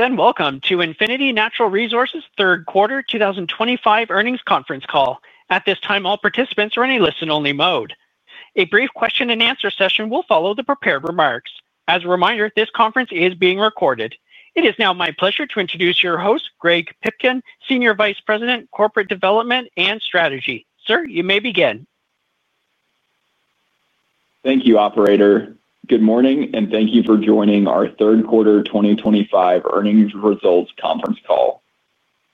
Greetings and welcome to Infinity Natural Resources' Third Quarter 2025 Earnings Conference Call. At this time, all participants are in a listen-only mode. A brief question-and-answer session will follow the prepared remarks. As a reminder, this conference is being recorded. It is now my pleasure to introduce your host, Greg Pipkin, Senior Vice President, Corporate Development and Strategy. Sir, you may begin. Thank you, Operator. Good morning, and thank you for joining our Third Quarter 2025 Earnings Results Conference Call.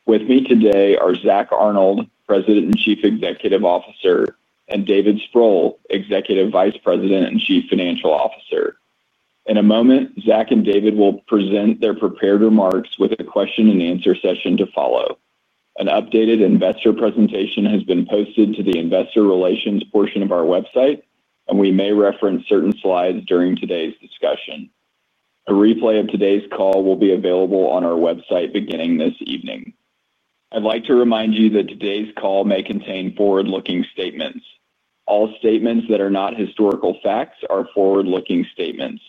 With me today are Zack Arnold, President and Chief Executive Officer, and David Sproule, Executive Vice President and Chief Financial Officer. In a moment, Zack and David will present their prepared remarks with a question-and-answer session to follow. An updated investor presentation has been posted to the Investor Relations portion of our website, and we may reference certain slides during today's discussion. A replay of today's call will be available on our website beginning this evening. I'd like to remind you that today's call may contain forward-looking statements. All statements that are not historical facts are forward-looking statements.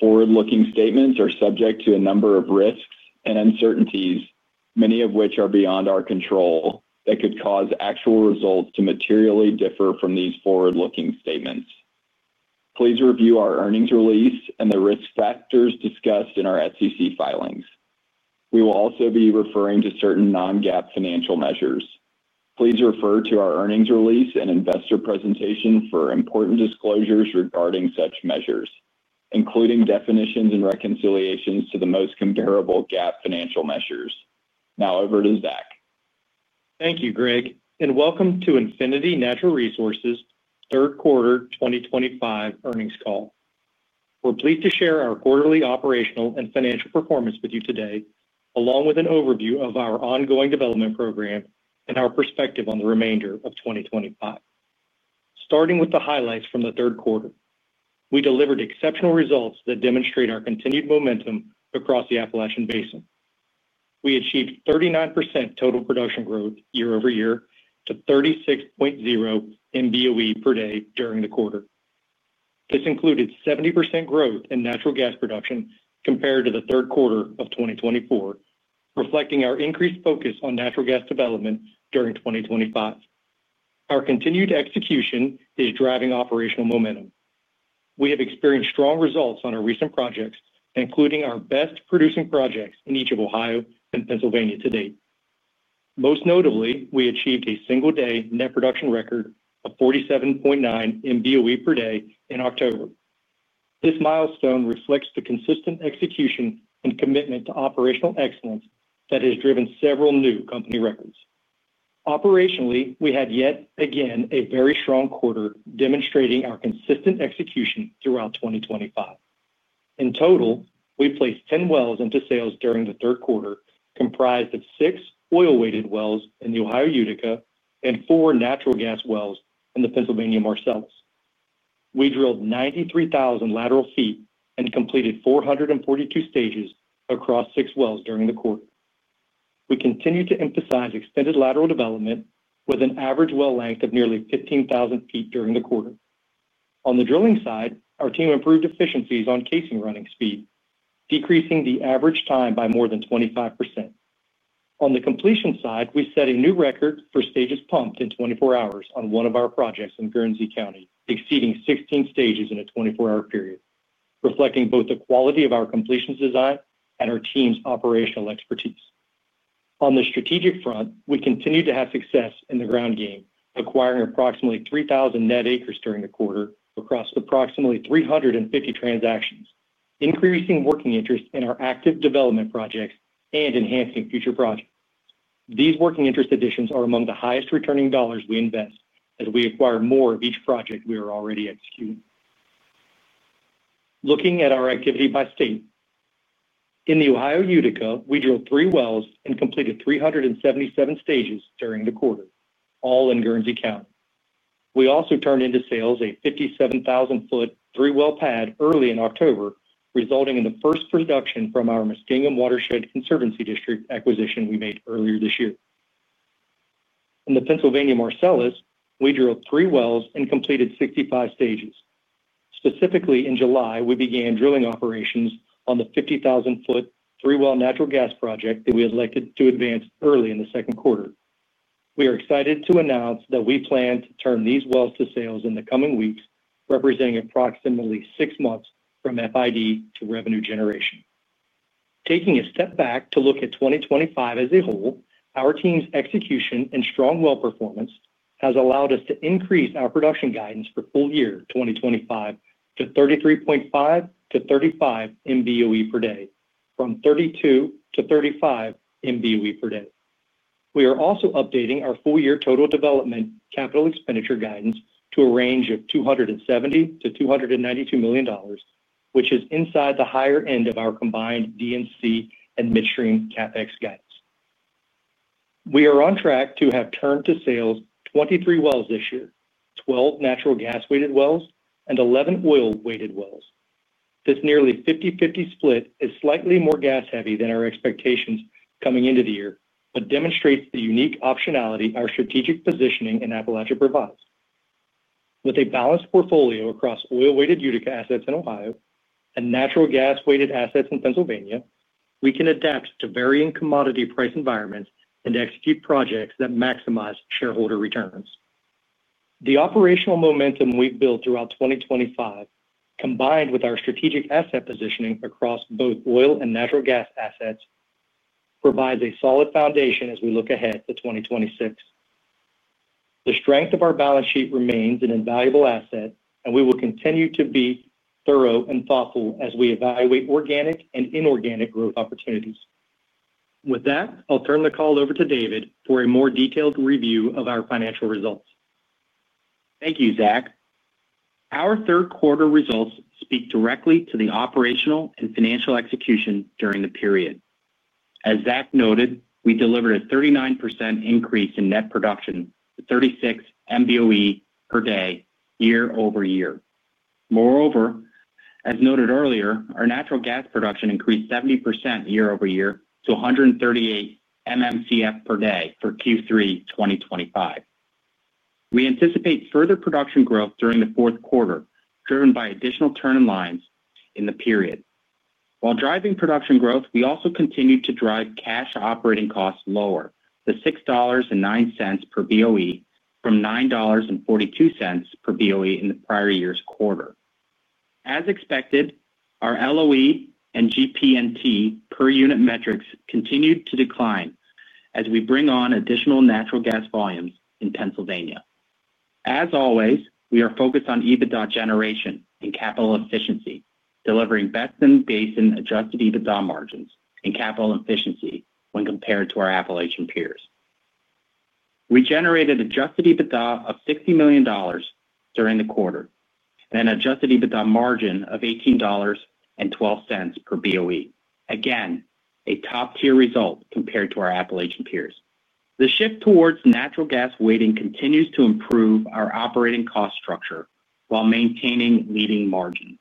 Forward-looking statements are subject to a number of risks and uncertainties, many of which are beyond our control, that could cause actual results to materially differ from these forward-looking statements. Please review our earnings release and the risk factors discussed in our SEC filings. We will also be referring to certain non-GAAP financial measures. Please refer to our earnings release and investor presentation for important disclosures regarding such measures, including definitions and reconciliations to the most comparable GAAP financial measures. Now over to Zack. Thank you, Greg, and welcome to Infinity Natural Resources' Third Quarter 2025 Earnings Call. We're pleased to share our quarterly operational and financial performance with you today, along with an overview of our ongoing development program and our perspective on the remainder of 2025. Starting with the highlights from the third quarter, we delivered exceptional results that demonstrate our continued momentum across the Appalachian Basin. We achieved 39% total production growth year-over-year to 36.0 MBOE per day during the quarter. This included 70% growth in natural gas production compared to the third quarter of 2024, reflecting our increased focus on natural gas development during 2025. Our continued execution is driving operational momentum. We have experienced strong results on our recent projects, including our best-producing projects in each of Ohio and Pennsylvania to date. Most notably, we achieved a single-day net production record of 47.9 MBOE per day in October. This milestone reflects the consistent execution and commitment to operational excellence that has driven several new company records. Operationally, we had yet again a very strong quarter, demonstrating our consistent execution throughout 2025. In total, we placed 10 wells into sales during the third quarter, comprised of six oil-weighted wells in the Ohio, Utica and four natural gas wells in the Pennsylvania Marcellus. We drilled 93,000 lateral feet and completed 442 stages across six wells during the quarter. We continue to emphasize extended lateral development, with an average well length of nearly 15,000 feet during the quarter. On the drilling side, our team improved efficiencies on casing running speed, decreasing the average time by more than 25%. On the completion side, we set a new record for stages pumped in 24 hours on one of our projects in Guernsey County, exceeding 16 stages in a 24-hour period, reflecting both the quality of our completions design and our team's operational expertise. On the strategic front, we continue to have success in the ground game, acquiring approximately 3,000 net acres during the quarter across approximately 350 transactions, increasing working interest in our active development projects and enhancing future projects. These working interest additions are among the highest returning dollars we invest as we acquire more of each project we are already executing. Looking at our activity by state, in the Ohio, Utica, we drilled three wells and completed 377 stages during the quarter, all in Guernsey County. We also turned into sales a 57,000-foot three-well pad early in October, resulting in the first production from our Muskingum Watershed Conservancy District acquisition we made earlier this year. In the Pennsylvania Marcellus, we drilled three wells and completed 65 stages. Specifically, in July, we began drilling operations on the 50,000-foot three-well natural gas project that we elected to advance early in the second quarter. We are excited to announce that we plan to turn these wells to sales in the coming weeks, representing approximately six months from FID to revenue generation. Taking a step back to look at 2025 as a whole, our team's execution and strong well performance has allowed us to increase our production guidance for full year 2025 to 33.5-35 MBOE per day, from 32-35 MBOE per day. We are also updating our full-year total development capital expenditure guidance to a range of $270 million-$292 million, which is inside the higher end of our combined DNC and midstream CapEx guidance. We are on track to have turned to sales 23 wells this year, 12 natural gas-weighted wells, and 11 oil-weighted wells. This nearly 50/50 split is slightly more gas-heavy than our expectations coming into the year, but demonstrates the unique optionality our strategic positioning in Appalachia provides. With a balanced portfolio across oil-weighted Utica assets in Ohio and natural gas-weighted assets in Pennsylvania, we can adapt to varying commodity price environments and execute projects that maximize shareholder returns. The operational momentum we've built throughout 2025, combined with our strategic asset positioning across both oil and natural gas assets, provides a solid foundation as we look ahead to 2026. The strength of our balance sheet remains an invaluable asset, and we will continue to be thorough and thoughtful as we evaluate organic and inorganic growth opportunities. With that, I'll turn the call over to David for a more detailed review of our financial results. Thank you, Zack. Our third quarter results speak directly to the operational and financial execution during the period. As Zack noted, we delivered a 39% increase in net production, 36 MBOE per day, year-over-year. Moreover, as noted earlier, our natural gas production increased 70% year-over-year to 138 MMCF per day for Q3 2025. We anticipate further production growth during the fourth quarter, driven by additional turn-in lines in the period. While driving production growth, we also continue to drive cash operating costs lower, to $6.09 per BOE, from $9.42 per BOE in the prior year's quarter. As expected, our LOE and GP&T per unit metrics continued to decline as we bring on additional natural gas volumes in Pennsylvania. As always, we are focused on EBITDA generation and capital efficiency, delivering Appalachian Basin adjusted EBITDA margins and capital efficiency when compared to our Appalachian peers. We generated adjusted EBITDA of $60 million during the quarter and an adjusted EBITDA margin of $18.12 per BOE, again a top-tier result compared to our Appalachian peers. The shift towards natural gas weighting continues to improve our operating cost structure while maintaining leading margins.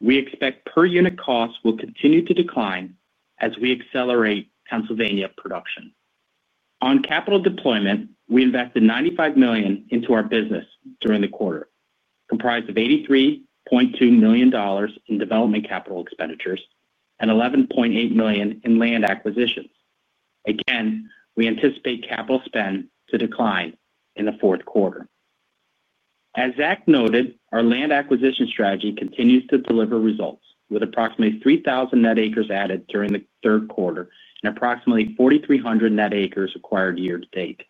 We expect per-unit costs will continue to decline as we accelerate Pennsylvania production. On capital deployment, we invested $95 million into our business during the quarter, comprised of $83.2 million in development capital expenditures and $11.8 million in land acquisitions. Again, we anticipate capital spend to decline in the fourth quarter. As Zack noted, our land acquisition strategy continues to deliver results, with approximately 3,000 net acres added during the third quarter and approximately 4,300 net acres acquired year-to-date.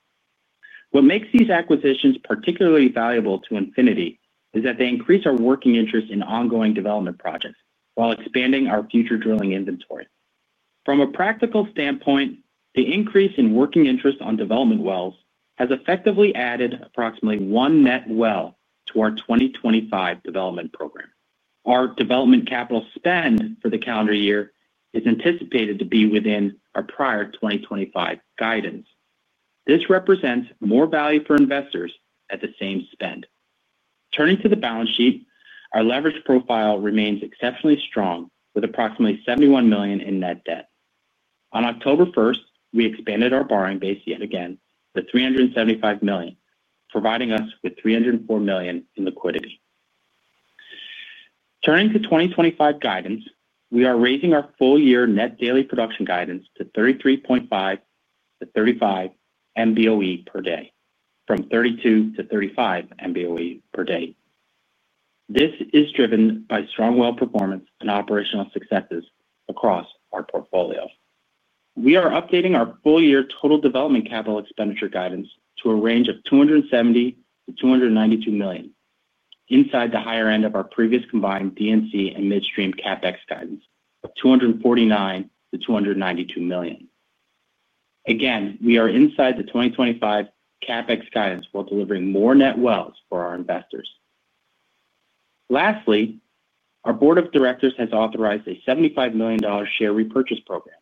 What makes these acquisitions particularly valuable to Infinity is that they increase our working interest in ongoing development projects while expanding our future drilling inventory. From a practical standpoint, the increase in working interest on development wells has effectively added approximately one net well to our 2025 development program. Our development capital spend for the calendar year is anticipated to be within our prior 2025 guidance. This represents more value for investors at the same spend. Turning to the balance sheet, our leverage profile remains exceptionally strong, with approximately $71 million in net debt. On October 1, we expanded our borrowing base yet again to $375 million, providing us with $304 million in liquidity. Turning to 2025 guidance, we are raising our full-year net daily production guidance to 33.5-35 MBOE per day, from 32-35 MBOE per day. This is driven by strong well performance and operational successes across our portfolio. We are updating our full-year total development capital expenditure guidance to a range of $270 million-$292 million, inside the higher end of our previous combined DNC and midstream CapEx guidance of $249 million-$292 million. Again, we are inside the 2025 CapEx guidance while delivering more net wells for our investors. Lastly, our Board of Directors has authorized a $75 million share repurchase program,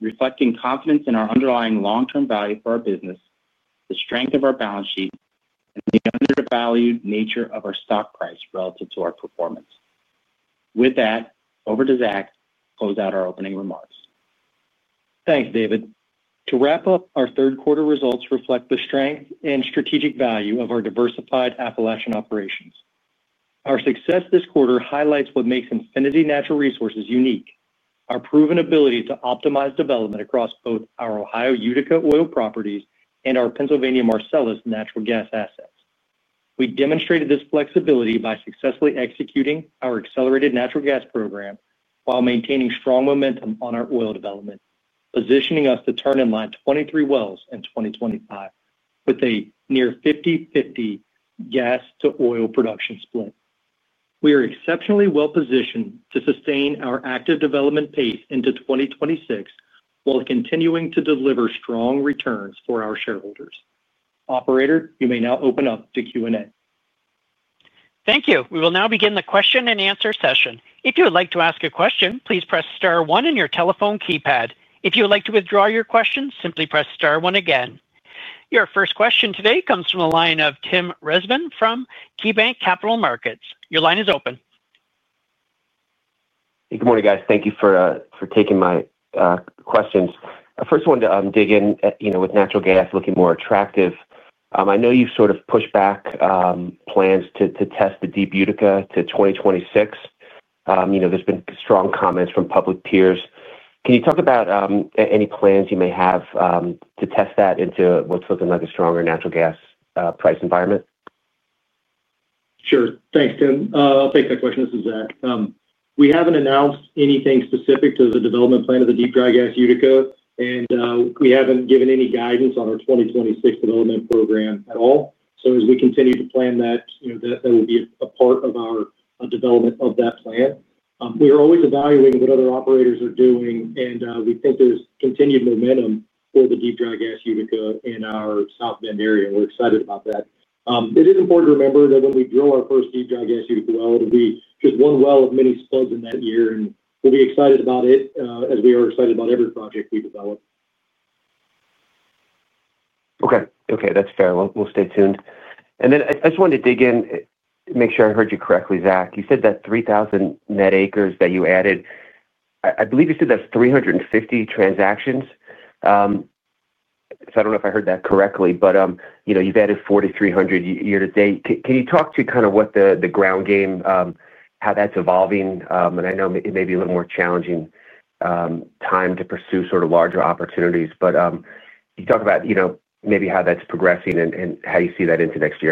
reflecting confidence in our underlying long-term value for our business, the strength of our balance sheet, and the undervalued nature of our stock price relative to our performance. With that, over to Zack to close out our opening remarks. Thanks, David. To wrap up, our third quarter results reflect the strength and strategic value of our diversified Appalachian operations. Our success this quarter highlights what makes Infinity Natural Resources unique: our proven ability to optimize development across both our Ohio, Utica oil properties and our Pennsylvania Marcellus natural gas assets. We demonstrated this flexibility by successfully executing our accelerated natural gas program while maintaining strong momentum on our oil development, positioning us to turn in line 23 wells in 2025 with a near 50/50 gas-to-oil production split. We are exceptionally well-positioned to sustain our active development pace into 2026 while continuing to deliver strong returns for our shareholders. Operator, you may now open up to Q&A. Thank you. We will now begin the question-and-answer session. If you would like to ask a question, please press star one on your telephone keypad. If you would like to withdraw your question, simply press star one again. Your first question today comes from the line of Tim Revman from KeyBanc Capital Markets. Your line is open. Hey, good morning, guys. Thank you for taking my questions. I first wanted to dig in with natural gas, looking more attractive. I know you've sort of pushed back plans to test the deep Utica to 2026. There's been strong comments from public peers. Can you talk about any plans you may have to test that into what's looking like a stronger natural gas price environment? Sure. Thanks, Tim. I'll take that question. This is Zack. We haven't announced anything specific to the development plan of the deep dry gas Utica, and we haven't given any guidance on our 2026 development program at all. As we continue to plan that, that will be a part of our development of that plan. We are always evaluating what other operators are doing, and we think there's continued momentum for the deep dry gas Utica in our South Bend area, and we're excited about that. It is important to remember that when we drill our first deep dry gas Utica well, it will be just one well of many spuds in that year, and we'll be excited about it, as we are excited about every project we develop. Okay. Okay. That's fair. We'll stay tuned. I just wanted to dig in, make sure I heard you correctly, Zack. You said that 3,000 net acres that you added, I believe you said that's 350 transactions. I don't know if I heard that correctly, but you've added 4,300 year-to-date. Can you talk to kind of what the ground game, how that's evolving? I know it may be a little more challenging time to pursue sort of larger opportunities, but you talk about maybe how that's progressing and how you see that into next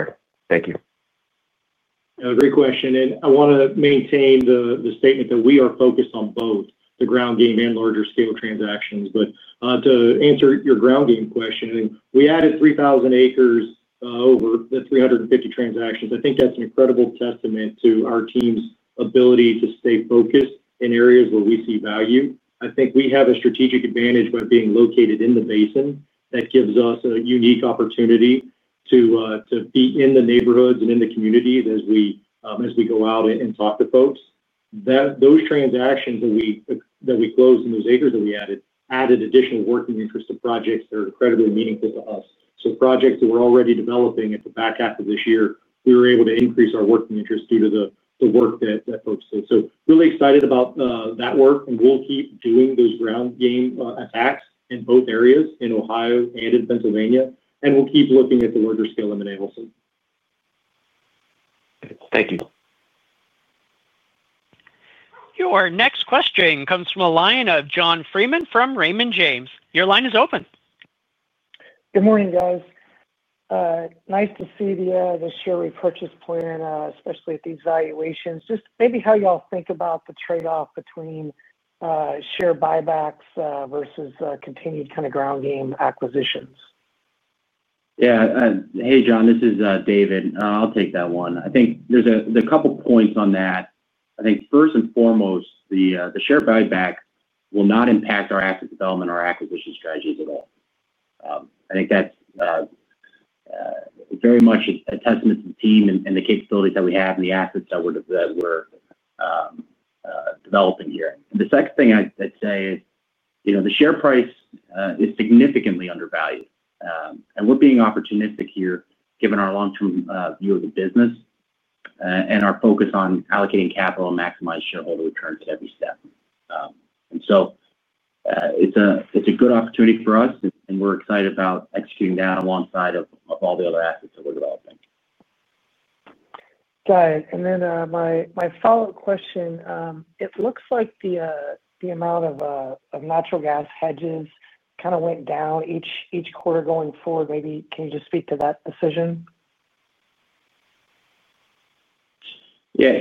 year. Thank you. Great question. I want to maintain the statement that we are focused on both the ground game and larger scale transactions. To answer your ground game question, we added 3,000 acres over the 350 transactions. I think that is an incredible testament to our team's ability to stay focused in areas where we see value. I think we have a strategic advantage by being located in the basin that gives us a unique opportunity to be in the neighborhoods and in the communities as we go out and talk to folks. Those transactions that we closed and those acres that we added added additional working interest to projects that are incredibly meaningful to us. Projects that we are already developing at the back half of this year, we were able to increase our working interest due to the work that folks did. Really excited about that work, and we'll keep doing those ground game attacks in both areas, in Ohio and in Pennsylvania, and we'll keep looking at the larger scale M&A also. Thank you. Your next question comes from a line of John Freeman from Raymond James. Your line is open. Good morning, guys. Nice to see the share repurchase plan, especially at these valuations. Just maybe how y'all think about the trade-off between share buybacks versus continued kind of ground game acquisitions. Yeah. Hey, John, this is David. I'll take that one. I think there's a couple of points on that. I think first and foremost, the share buyback will not impact our asset development or acquisition strategies at all. I think that's very much a testament to the team and the capabilities that we have and the assets that we're developing here. The second thing I'd say is the share price is significantly undervalued, and we're being opportunistic here given our long-term view of the business and our focus on allocating capital and maximizing shareholder returns at every step. It's a good opportunity for us, and we're excited about executing that alongside of all the other assets that we're developing. Got it. Then my follow-up question, it looks like the amount of natural gas hedges kind of went down each quarter going forward. Maybe can you just speak to that decision? Yeah.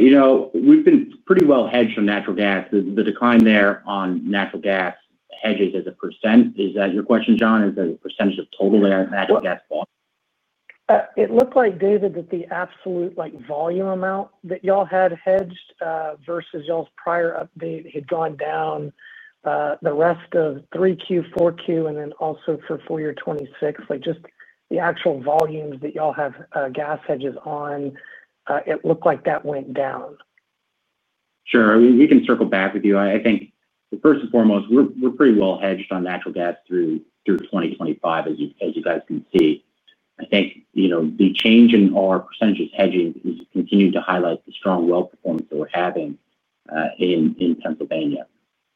We've been pretty well hedged on natural gas. The decline there on natural gas hedges as a %, is that your question, John? Is that a % of total natural gas? It looked like, David, that the absolute volume amount that y'all had hedged versus y'all's prior update had gone down the rest of Q3, Q4, and then also for full year 2026, just the actual volumes that y'all have gas hedges on, it looked like that went down. Sure. We can circle back with you. I think first and foremost, we're pretty well hedged on natural gas through 2025, as you guys can see. I think the change in our percentages hedging has continued to highlight the strong well performance that we're having in Pennsylvania.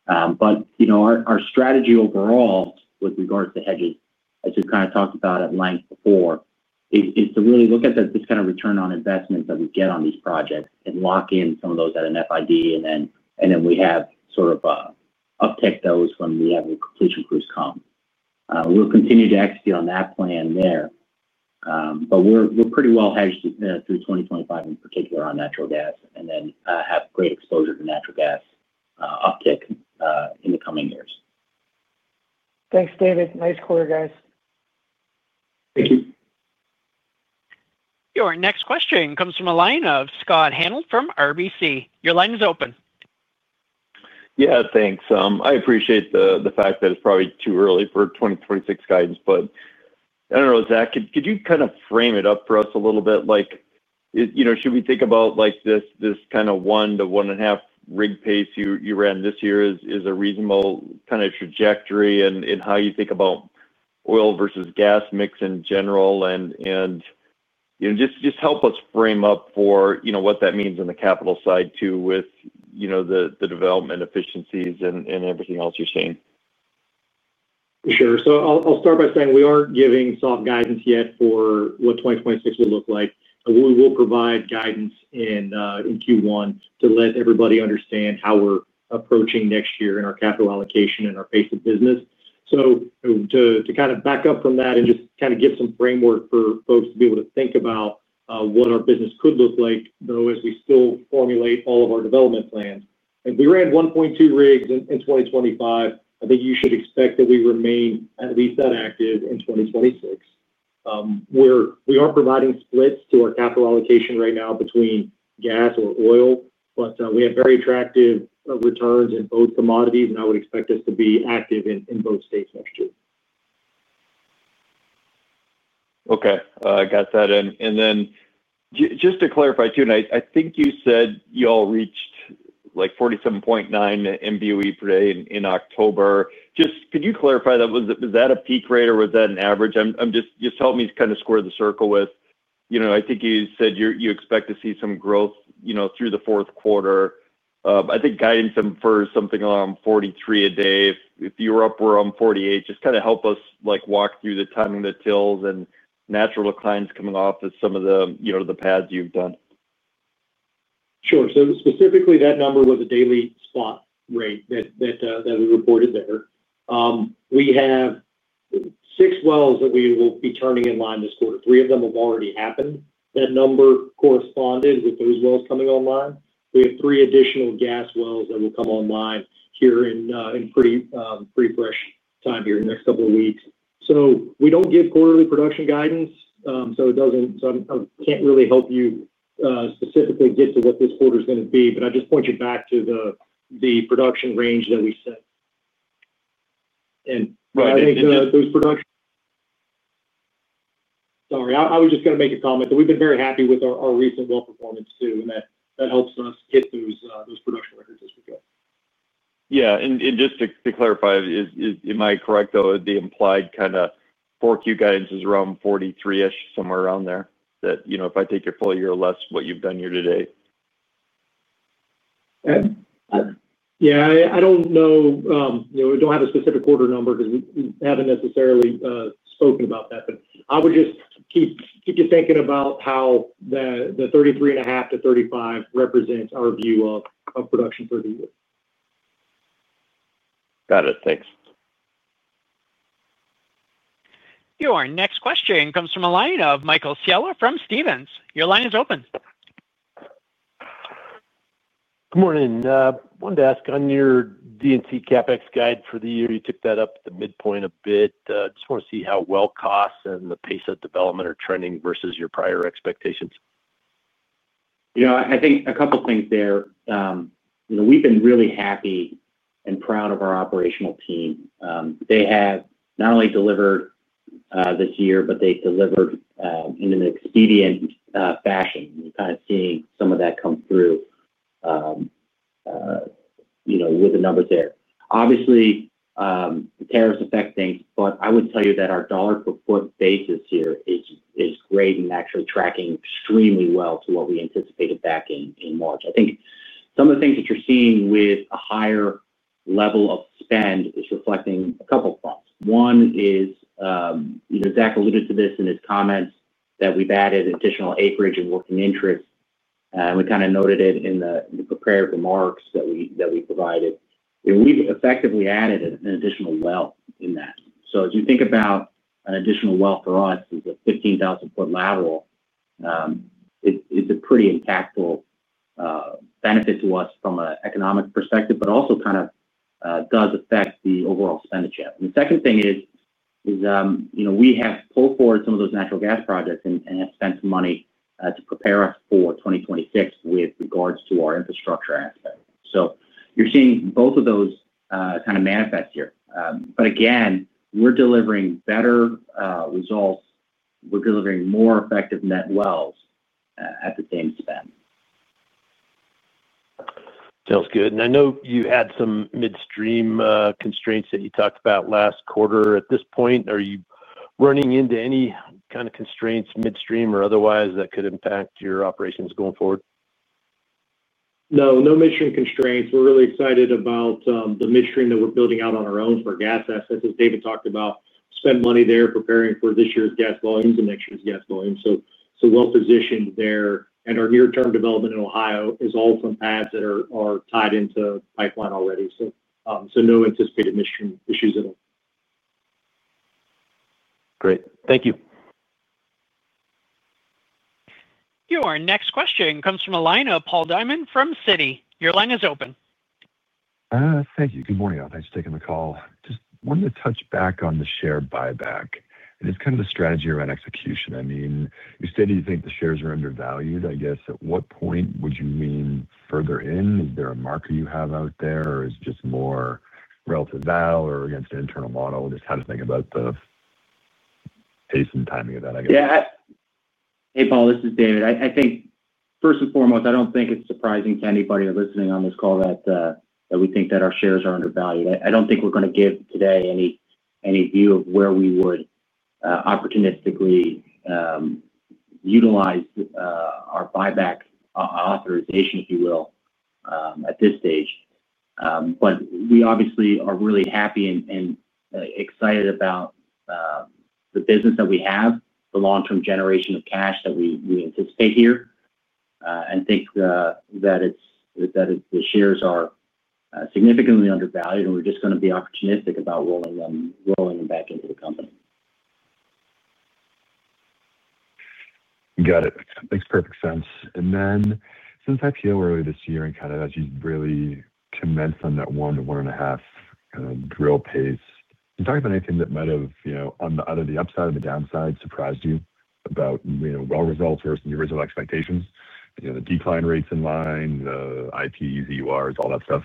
Our strategy overall with regards to hedges, as we've kind of talked about at length before, is to really look at this kind of return on investment that we get on these projects and lock in some of those at an FID, and then we have sort of uptick those when we have the completion crews come. We'll continue to execute on that plan there, but we're pretty well hedged through 2025 in particular on natural gas and then have great exposure to natural gas uptick in the coming years. Thanks, David. Nice quarter, guys. Your next question comes from a line of Scott Hanold from RBC Capital Markets. Your line is open. Yeah, thanks. I appreciate the fact that it's probably too early for 2026 guidance, but I don't know, Zack, could you kind of frame it up for us a little bit? Should we think about this kind of one to one and a half rig pace you ran this year as a reasonable kind of trajectory in how you think about oil versus gas mix in general? Just help us frame up for what that means on the capital side too with the development efficiencies and everything else you're seeing. Sure. I'll start by saying we aren't giving soft guidance yet for what 2026 will look like. We will provide guidance in Q1 to let everybody understand how we're approaching next year in our capital allocation and our pace of business. To kind of back up from that and just kind of give some framework for folks to be able to think about what our business could look like, though, as we still formulate all of our development plans. If we ran 1.2 rigs in 2025, I think you should expect that we remain at least that active in 2026. We are providing splits to our capital allocation right now between gas or oil, but we have very attractive returns in both commodities, and I would expect us to be active in both states next year. Okay. Got that in. And then just to clarify too, I think you said y'all reached 47.9 MBOE per day in October. Just could you clarify that? Was that a peak rate or was that an average? Just help me kind of square the circle with I think you said you expect to see some growth through the fourth quarter. I think guidance for something around 43 a day. If you were up around 48, just kind of help us walk through the time of the tills and natural declines coming off of some of the paths you've done. Sure. Specifically, that number was a daily spot rate that we reported there. We have six wells that we will be turning in line this quarter. Three of them have already happened. That number corresponded with those wells coming online. We have three additional gas wells that will come online here in pretty fresh time here in the next couple of weeks. We do not give quarterly production guidance, so I cannot really help you specifically get to what this quarter is going to be, but I just point you back to the production range that we set. I think those production—sorry, I was just going to make a comment that we have been very happy with our recent well performance too, and that helps us hit those production records as we go. Yeah. And just to clarify, am I correct, though, the implied kind of Q4 guidance is around 43-ish, somewhere around there? That if I take your full year or less, what you've done year to date? Yeah. I don't know. We don't have a specific quarter number because we haven't necessarily spoken about that, but I would just keep you thinking about how the 33.5-35 represents our view of production for the year. Got it. Thanks. Your next question comes from a line of Michael Scialla from Stephens. Your line is open. Good morning. I wanted to ask on your D&C CapEx guide for the year. You took that up at the midpoint a bit. I just want to see how well costs and the pace of development are trending versus your prior expectations. Yeah. I think a couple of things there. We've been really happy and proud of our operational team. They have not only delivered this year, but they delivered in an expedient fashion. We're kind of seeing some of that come through with the numbers there. Obviously, tariffs affect things, but I would tell you that our dollar-per-foot basis here is great and actually tracking extremely well to what we anticipated back in March. I think some of the things that you're seeing with a higher level of spend is reflecting a couple of fronts. One is, Zack alluded to this in his comments, that we've added additional acreage and working interests. We kind of noted it in the prepared remarks that we provided. We've effectively added an additional well in that. So as you think about an additional well for us, it's a 15,000-foot lateral. It's a pretty impactful benefit to us from an economic perspective, but also kind of does affect the overall spending channel. The second thing is we have pulled forward some of those natural gas projects and have spent some money to prepare us for 2026 with regards to our infrastructure aspect. You are seeing both of those kind of manifest here. Again, we are delivering better results. We are delivering more effective net wells at the same spend. Sounds good. I know you had some midstream constraints that you talked about last quarter. At this point, are you running into any kind of constraints midstream or otherwise that could impact your operations going forward? No. No midstream constraints. We are really excited about the midstream that we are building out on our own for gas assets, as David talked about, spend money there preparing for this year's gas volumes and next year's gas volumes. We are well positioned there. Our near-term development in Ohio is all from paths that are tied into pipeline already. No anticipated midstream issues at all. Great. Thank you. Your next question comes from a line of Paul Diamond from Citigroup. Your line is open. Thank you. Good morning, all. Thanks for taking the call. Just wanted to touch back on the share buyback and just kind of the strategy around execution. I mean, you stated you think the shares are undervalued. I guess at what point would you lean further in? Is there a marker you have out there, or is it just more relative value or against an internal model? Just how to think about the pace and timing of that, I guess. Yeah. Hey, Paul. This is David. I think first and foremost, I do not think it is surprising to anybody listening on this call that we think that our shares are undervalued. I do not think we are going to give today any view of where we would opportunistically utilize our buyback authorization, if you will, at this stage. We obviously are really happy and excited about the business that we have, the long-term generation of cash that we anticipate here, and think that the shares are significantly undervalued, and we are just going to be opportunistic about rolling them back into the company. Got it. Makes perfect sense. Since IPO early this year and kind of as you have really commenced on that one, one and a half kind of drill pace, can you talk about anything that might have either the upside or the downside surprised you about well results versus the original expectations, the decline rates in line, the IPs, EURs, all that stuff?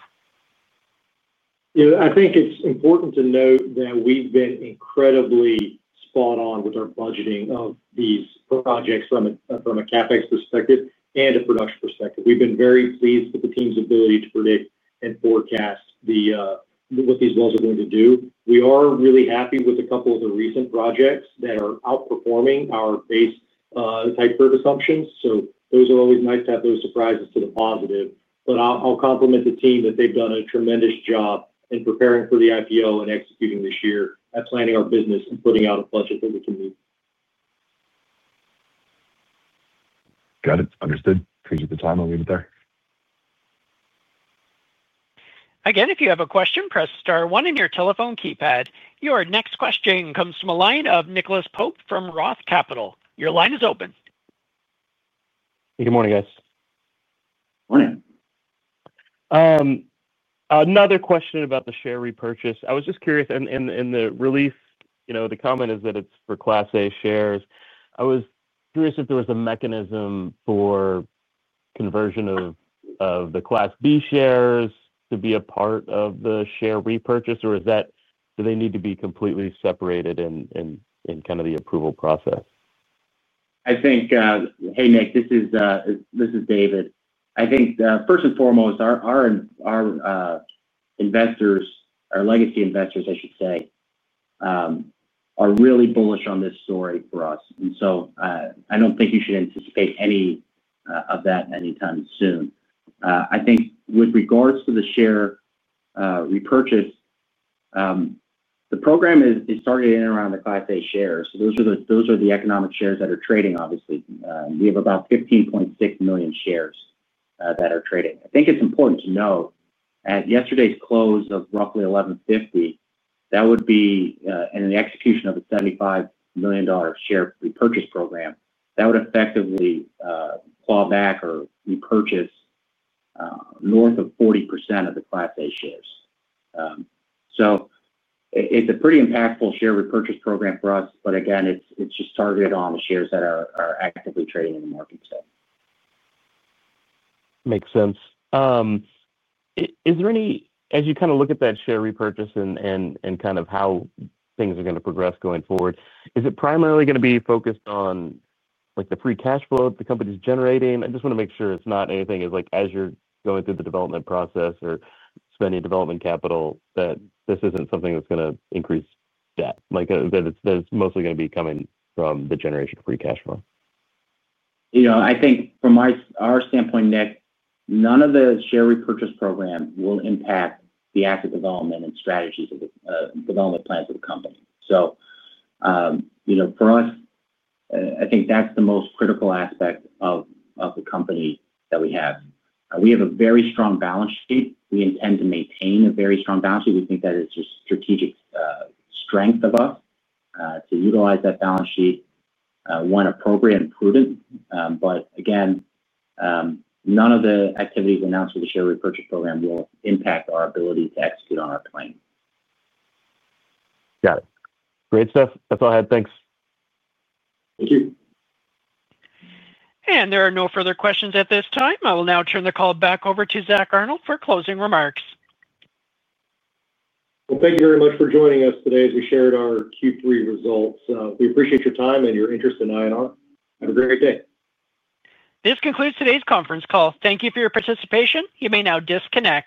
Yeah. I think it's important to note that we've been incredibly spot on with our budgeting of these projects from a CapEx perspective and a production perspective. We've been very pleased with the team's ability to predict and forecast what these wells are going to do. We are really happy with a couple of the recent projects that are outperforming our base type of assumptions. Those are always nice to have, those surprises to the positive. I'll compliment the team that they've done a tremendous job in preparing for the IPO and executing this year at planning our business and putting out a budget that we can meet. Got it. Understood. Appreciate the time. I'll leave it there. Again, if you have a question, press star one on your telephone keypad. Your next question comes from the line of Nicholas Pope from ROTH Capital. Your line is open. Hey, good morning, guys. Morning. Another question about the share repurchase. I was just curious, and the comment is that it's for Class A shares. I was curious if there was a mechanism for conversion of the Class B shares to be a part of the share repurchase, or do they need to be completely separated in kind of the approval process? I think, hey, Nick, this is David. I think first and foremost, our investors, our legacy investors, I should say, are really bullish on this story for us. I do not think you should anticipate any of that anytime soon. I think with regards to the share repurchase, the program is targeted in around the Class A shares. Those are the economic shares that are trading, obviously. We have about 15.6 million shares that are trading. I think it is important to note at yesterday's close of roughly $11.50, that would be in the execution of a $75 million share repurchase program, that would effectively claw back or repurchase north of 40% of the Class A shares. It is a pretty impactful share repurchase program for us, but again, it is just targeted on the shares that are actively trading in the market today. Makes sense. As you kind of look at that share repurchase and kind of how things are going to progress going forward, is it primarily going to be focused on the free cash flow that the company's generating? I just want to make sure it's not anything as you're going through the development process or spending development capital that this isn't something that's going to increase debt, that it's mostly going to be coming from the generation of free cash flow. I think from our standpoint, Nick, none of the share repurchase program will impact the asset development and strategies of the development plans of the company. For us, I think that's the most critical aspect of the company that we have. We have a very strong balance sheet. We intend to maintain a very strong balance sheet. We think that it's a strategic strength of us to utilize that balance sheet, when appropriate and prudent. Again, none of the activities announced with the share repurchase program will impact our ability to execute on our plan. Got it. Great stuff. That's all I had. Thanks. There are no further questions at this time. I will now turn the call back over to Zack Arnold for closing remarks. Thank you very much for joining us today as we shared our Q3 results. We appreciate your time and your interest in INR. Have a great day. This concludes today's conference call. Thank you for your participation. You may now disconnect.